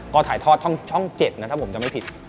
ก็ถ่ายทอดช่อง๗นะถ้าผมจะไม่ผิด